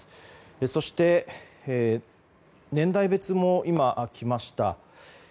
そして、年代別も今きました。